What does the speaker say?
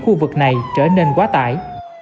khu vực này trở nên quá tải